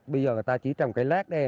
bây giờ người ta chỉ trồng cây lát đây